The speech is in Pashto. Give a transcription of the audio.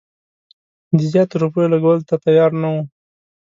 د زیاتو روپیو لګولو ته تیار نه وو.